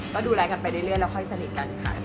ก็ดูแลกันไปเรื่อยแล้วค่อยสนิทกันค่ะ